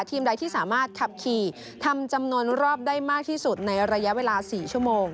ใดที่สามารถขับขี่ทำจำนวนรอบได้มากที่สุดในระยะเวลา๔ชั่วโมง